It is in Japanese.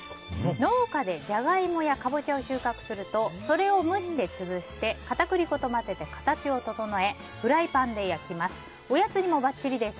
農家でジャガイモやカボチャを収穫するとそれを蒸して潰して片栗粉と混ぜて形を整え、フライパンで焼きます。